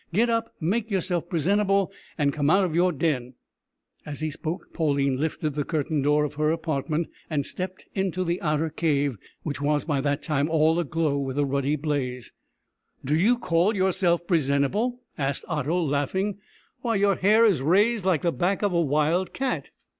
Get up, make yourself presentable, and come out of your den." As he spoke Pauline lifted the curtain door of her apartment and stepped into the outer cave, which was by that time all aglow with the ruddy blaze. "Do you call yourself presentable?" asked Otto, laughing; "why your hair is raised like the back of a wild cat."